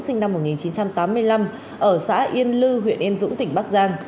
sinh năm một nghìn chín trăm tám mươi năm ở xã yên lư huyện yên dũng tỉnh bắc giang